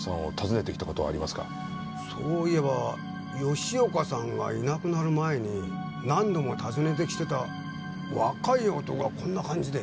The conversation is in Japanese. そういえば吉岡さんがいなくなる前に何度も訪ねて来てた若い男がこんな感じで。